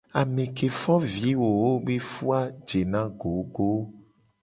Ame ke fo vi wowo be fu a jena gogo.